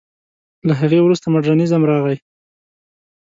له هغې وروسته مډرنېزم راغی.